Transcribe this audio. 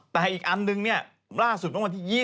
แต่อีกอันนึงเนี่ยล่าสุดเมื่อวันที่๒๒